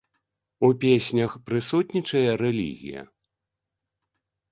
У песнях прысутнічае рэлігія?